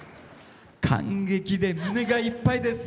感激で胸がいっぱいです。